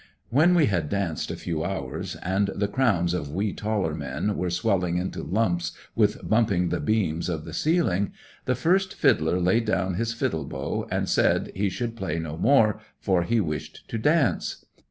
'When we had danced a few hours, and the crowns of we taller men were swelling into lumps with bumping the beams of the ceiling, the first fiddler laid down his fiddle bow, and said he should play no more, for he wished to dance.